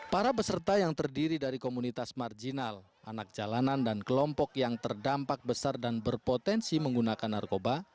para peserta yang terdiri dari komunitas marginal anak jalanan dan kelompok yang terdampak besar dan berpotensi menggunakan narkoba